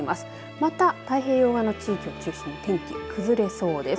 また太平洋側の地域を中心に天気崩れそうです。